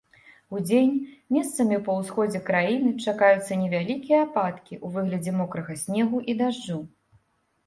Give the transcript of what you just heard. Удзень месцамі па ўсходзе краіны чакаюцца невялікія ападкі ў выглядзе мокрага снегу і дажджу.